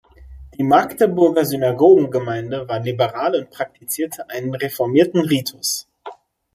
Die Magdeburger Synagogengemeinde war liberal und praktizierte einen reformierten Ritus.